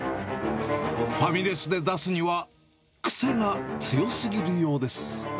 ファミレスで出すには癖が強すぎるようです。